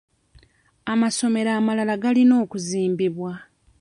Amasomero amalala galina okuzimbibwa.